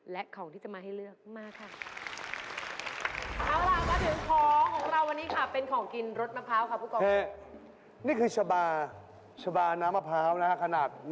และของที่จะมาให้เลือกมาค่ะ